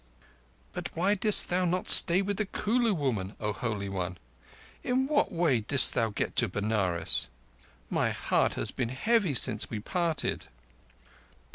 "But why didst thou not stay with the Kulu woman, O Holy One? In what way didst thou get to Benares? My heart has been heavy since we parted."